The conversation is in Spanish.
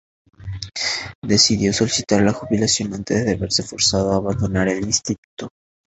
Decidió solicitar la jubilación antes de verse forzado a abandonar el Instituto.